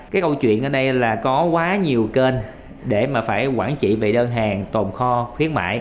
cái câu chuyện ở đây là có quá nhiều kênh để mà phải quản trị về đơn hàng tồn kho khuyến mại